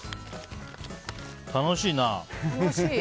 楽しいな。